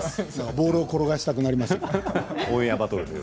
ボールを転がしたくなりますね。